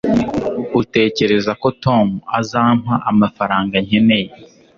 utekereza ko tom azampa amafaranga nkeneye